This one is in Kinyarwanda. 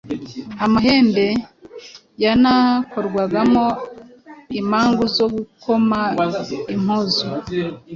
Amahembe yanakorwagamo imangu zo gukoma impuzu,